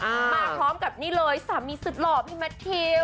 มาพร้อมกับนี่เลยสามีสุดหล่อพี่แมททิว